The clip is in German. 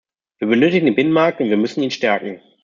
Wir benötigen den Binnenmarkt und wir müssen ihn stärken.